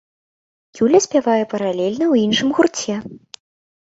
Юля спявае паралельна ў іншым гурце.